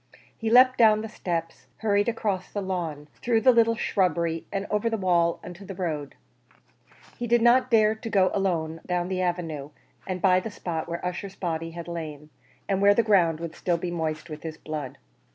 He leapt down the steps, hurried across the lawn, through the little shrubbery, and over the wall into the road. He did not dare to go alone down the avenue, and by the spot where Ussher's body had lain, and where the ground would still be moist with his blood.